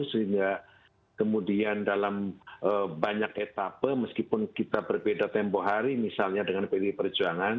sehingga kemudian dalam banyak etapa meskipun kita berbeda tempoh hari misalnya dengan pdi perjuangan